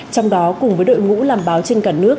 trong đó cùng với đội ngũ làm báo trên cả nước